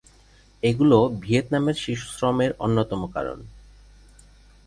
এগুলো ভিয়েতনামের শিশুশ্রমের অন্যতম কারণ।